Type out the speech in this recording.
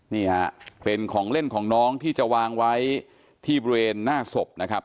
นี่ฮะเป็นของเล่นของน้องที่จะวางไว้ที่บริเวณหน้าศพนะครับ